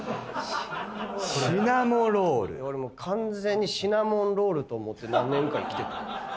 俺完全にシナモンロールと思って何年か生きてた。